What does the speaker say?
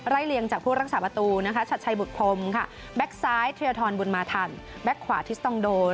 ไล่เลี้ยงจากผู้รักษาประตูชัดใช้บุตรพรมแบ็คซ้ายเทรียทรอนบุญมาธรรมแบ็คขวาทิสตองโด